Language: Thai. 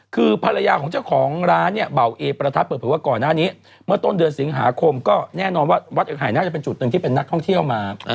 คือภรรยาของเจ้าของร้านเนี่ยเบาเอประทัดเปิดเผยว่าก่อนหน้านี้เมื่อต้นเดือนสิงหาคมก็แน่นอนว่าวัดเอกหายน่าจะเป็นจุดหนึ่งที่เป็นนักท่องเที่ยวมา